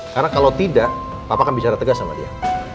karena kalau tidak papa kan bicara tegas sama dia